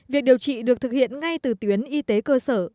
việc điều trị được thực hiện ngay từ tuyến y tế cơ sở